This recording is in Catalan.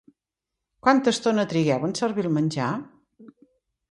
Quanta estona trigueu en servir menjar?